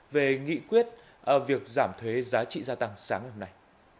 về nghị quyết việc giảm thuế giá trị gia tăng sáng hôm nay